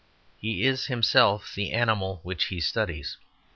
He is himself the animal which he studies.